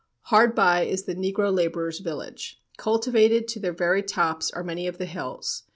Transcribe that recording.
Hard by is the negro laborers' village. Cultivated to their very tops are many of the hills.